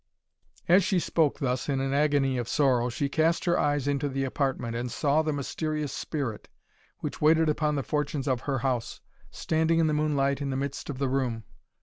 As she spoke thus in an agony of sorrow, she cast her eyes into the apartment, and saw the mysterious Spirit, which waited upon the fortunes of her house, standing in the moonlight in the midst of the room.